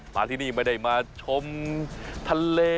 มาที่นี่ไม่ได้มาชมทะเล